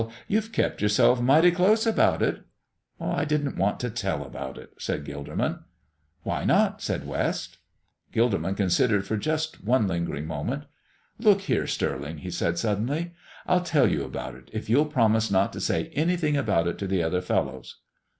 You've kept yourself mighty close about it." "I didn't want to tell about it," said Gilderman. "Why not?" said West. Gilderman considered for just one lingering moment. "Look here, Stirling," he said, suddenly, "I'll tell you about it, if you'll promise not to say anything about it to the other fellows."